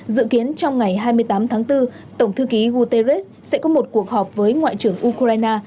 dự kiến trong ngày hai mươi tám tháng bốn tổng thư ký guterres sẽ có một cuộc họp với ngoại trưởng ukraine